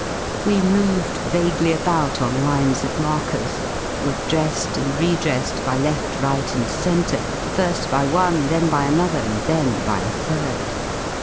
We moved vaguely about on lines of markers, were dressed and re dressed by left, right, and centre, fir^^ by one then by another, and then by a third.